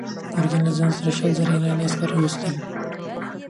ګورګین له ځان سره شل زره ایراني عسکر راوستل.